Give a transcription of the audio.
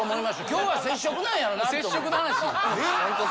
今日は接触なんやろなと。